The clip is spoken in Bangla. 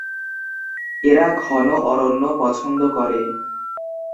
এরা ঘন অরণ্য পছন্দ করে।